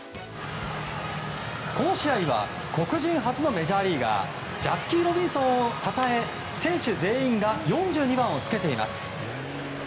この試合は黒人初のメジャーリーガージャッキー・ロビンソンをたたえ選手全員が４２番をつけています。